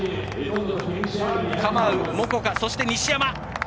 カマウ、モコカ、そして西山。